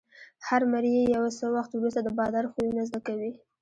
هر مریی یو څه وخت وروسته د بادار خویونه زده کوي.